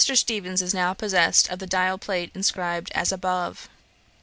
Steevens is now possessed of the dial plate inscribed as above.